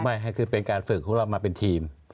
ไม่คือเป็นการฝึกทุกคนเรามาเป็นทีม